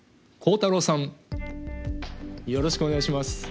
よろしくお願いします。